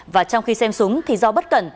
và trong khi xem súng thì do bất cẩn